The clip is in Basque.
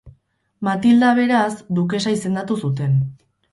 Matilda, beraz, dukesa izendatu zuten.